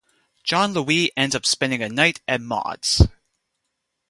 Jean-Louis ends up spending a night at Maud's.